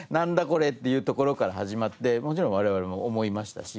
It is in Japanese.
これっていうところから始まってもちろん我々も思いましたし。